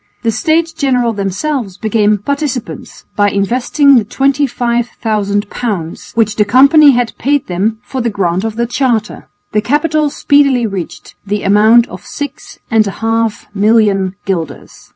The States General themselves became "participants" by investing the 25,000 pounds, which the company had paid them for the grant of the charter. The capital speedily reached the amount of six and a half million guilders.